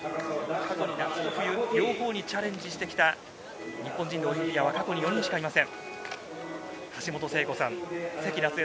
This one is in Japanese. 夏と冬両方にチャレンジしてきた日本人のオリンピアンは過去に４人しかいません。